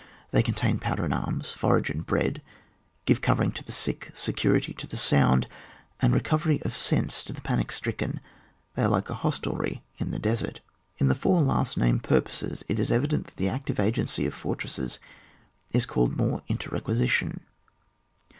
They contain powder and arms, forage and bread, g^ve covering to the sick, security to the sound, and recovery of sense to the panic stricken. They are like an hostelry in the desert. In the four last named purposes it is evident that the active agency of for tresses is called more into requisition.